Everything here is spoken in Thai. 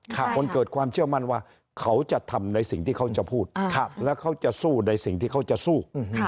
คนเกิดความเชื่อมั่นว่าเขาจะทำในสิ่งที่เขาจะพูดแล้วเขาจะสู้ในสิ่งที่เขาจะสู้